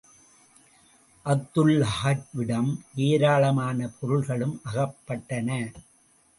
அப்துல்லாஹ்விடம் ஏராளமான பொருள்களும் அகப்பட்டன.